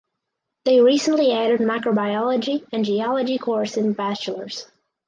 They recently added Microbiology and Geology course in Bachelors.